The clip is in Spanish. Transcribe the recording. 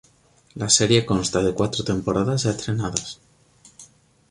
La serie consta de cuatro temporadas ya estrenadas.